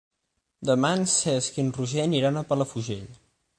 Demà en Cesc i en Roger aniran a Palafrugell.